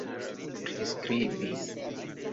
priskribi